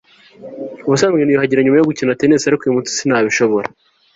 ubusanzwe niyuhagira nyuma yo gukina tennis, ariko uyumunsi sinabishobora